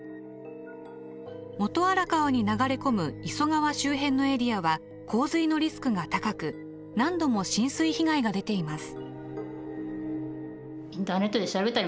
元荒川に流れ込む磯川周辺のエリアは洪水のリスクが高く何度も浸水被害が出ています。